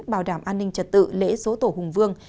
bảo đảm an ninh trật tự lễ dỗ tổ hùng vương